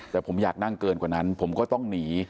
แต่ผมอยากนั่งเกินกว่านั้นผมก็ต้องหนี